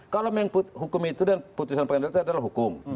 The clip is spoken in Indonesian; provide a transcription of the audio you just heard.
kalau hukum itu dan putusan pengadilan itu adalah hukum